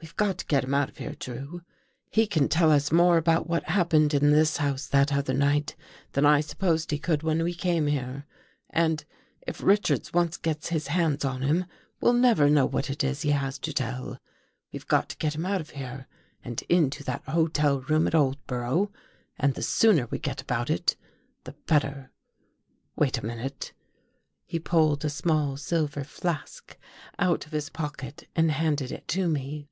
We've got to get him out of here. Drew. He can tell us more ' about what happened in this house that other night than I supposed he could when we came here. And if Richards once gets his hands on him, we'll never know what it is he has to tell. We've got to get him out of here and into that hotel room at Old borough and the sooner we get about it the better. Wait a minute! " He pulled a small silver flask out of his pocket and handed it to me.